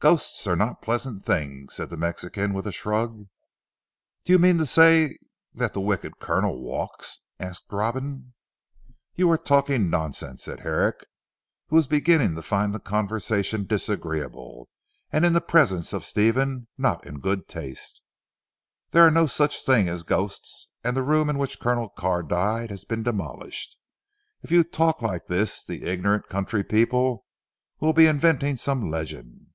"Ghosts are not pleasant things," said the Mexican with a shrug. "Do you mean to say that the wicked Colonel walks?" asked Robin. "You are talking nonsense," said Herrick who was beginning to find the conversation disagreeable, and in the presence of Stephen, not in good taste. "There are no such things as ghosts, and the room in which Colonel Carr died has been demolished. If you talk like this the ignorant country people will be inventing some legend."